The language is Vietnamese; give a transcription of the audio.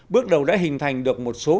bước đầu đã hình thành được một số